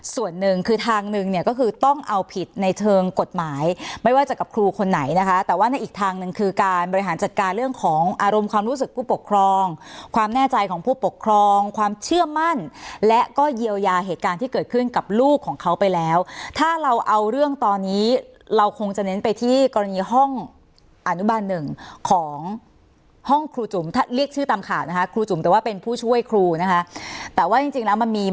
ส่วนหนึ่งคือทางหนึ่งเนี่ยก็คือต้องเอาผิดในเทิงกฎหมายไม่ว่าจะกับครูคนไหนนะคะแต่ว่าในอีกทางหนึ่งคือการบริหารจัดการเรื่องของอารมณ์ความรู้สึกผู้ปกครองความแน่ใจของผู้ปกครองความเชื่อมั่นและก็เยียวยาเหตุการณ์ที่เกิดขึ้นกับลูกของเขาไปแล้วถ้าเราเอาเรื่องตอนนี้เราคงจะเน้นไปที่กรณีห้องอนุบันหนึ่ง